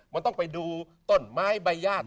มันต้องไปดูต้นไม้ใบญาติ